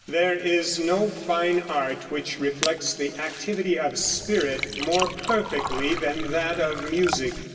There is no fine art which reflects the activity of spirit more perfectly than that of music.